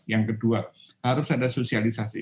yang kedua harus ada sosialisasi